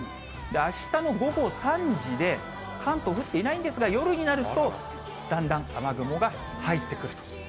あしたの午後３時で、関東、降っていないんですが、夜になると、だんだん雨雲が入ってくると。